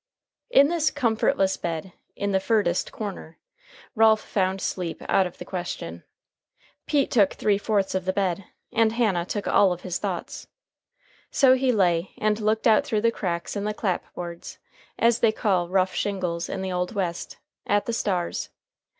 In this comfortless bed "in the furdest corner," Ralph found sleep out of the question. Pete took three fourths of the bed, and Hannah took all of his thoughts. So he lay, and looked out through the cracks in the "clapboards" (as they call rough shingles in the old West) at the stars.